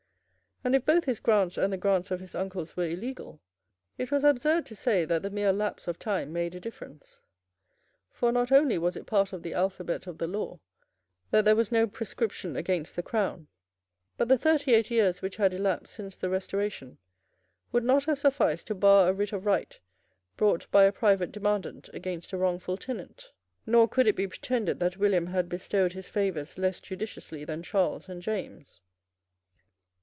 And, if both his grants and the grants of his uncles were illegal, it was absurd to say that the mere lapse of time made a difference. For not only was it part of the alphabet of the law that there was no prescription against the Crown, but the thirty eight years which had elapsed since the Restoration would not have sufficed to bar a writ of right brought by a private demandant against a wrongful tenant. Nor could it be pretended that William had bestowed his favours less judiciously than Charles and James.